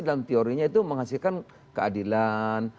dalam teorinya itu menghasilkan keadilan